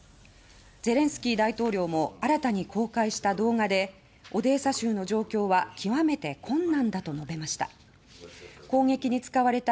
ゼレンスキー大統領も新たに公開した動画でオデーサ州の状況は極めて困難だと述べました。